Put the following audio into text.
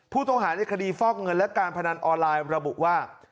ผู้ต้องหาในคดีฟอกเงินและการพนันออนไลน์ระบุว่า